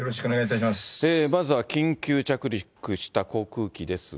まずは緊急着陸した航空機ですが。